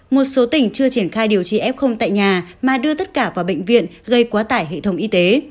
một số tỉnh chưa triển khai điều trị f tại nhà mà đưa tất cả vào bệnh viện gây quá tải hệ thống y tế